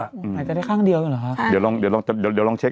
อืมหายใจได้ข้างเดียวกันหรอค่ะค่ะเดี๋ยวลองเดี๋ยวลองเช็ค